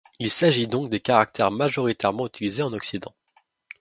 Il s’agit donc des caractères majoritairement utilisés en Occident.